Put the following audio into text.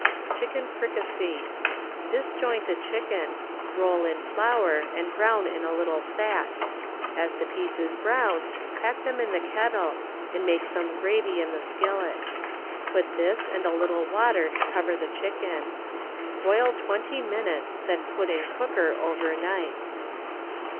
Chicken Fkicassek Disjoint a chicken, roll in flour and brown in a little fat; as the pieces brown pack them in the kettle, and make some gravy in the skillet. Put this and a little water to cover the chicken. Boil twenty minutes, then put in cocdcer over n^hl.